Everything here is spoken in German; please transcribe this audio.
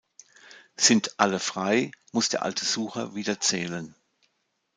Sind alle „frei“, muss der alte Sucher wieder zählen.